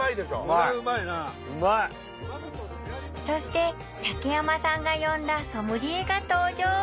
そして竹山さんが呼んだソムリエが登場！